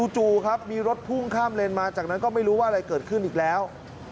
จู่ครับมีรถพุ่งข้ามเลนมาจากนั้นก็ไม่รู้ว่าอะไรเกิดขึ้นอีกแล้ว